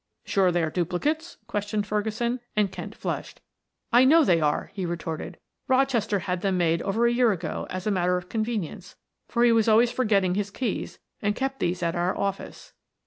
"Sure they are duplicates?" questioned Ferguson, and Kent flushed. "I know they are," he retorted. "Rochester had them made over a year ago as a matter of convenience, for he was always forgetting his keys, and kept these at our office."